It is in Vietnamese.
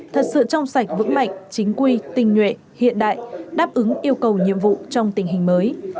thật sự trong sạch vững mạnh chính quy tình nhuệ hiện đại đáp ứng yêu cầu nhiệm vụ trong tình hình mới